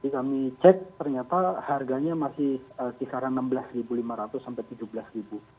kami cek ternyata harganya masih kisaran rp enam belas lima ratus sampai rp tujuh belas